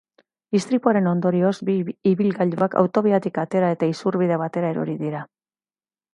Istripuaren ondorioz, bi ibilgailuak autobiatik atera eta isurbide batera erori dira.